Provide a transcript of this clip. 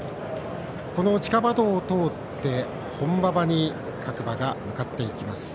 この地下馬道を通って本馬場に各馬が向かっていきます。